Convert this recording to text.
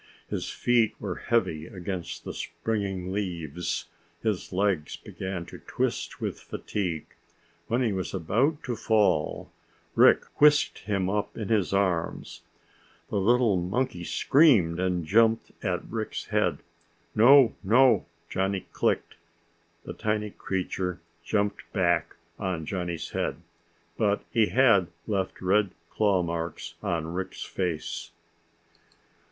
His feet were heavy against the springing leaves, his legs began to twist with fatigue. When he was about to fall, Rick whisked him up in his arms. The little monkey screamed and jumped at Rick's head. "No, no!" Johnny clicked. The tiny creature jumped back on Johnny's head, but he had left red claw marks on Rick's face.